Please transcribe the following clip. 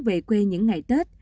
về quê những ngày tết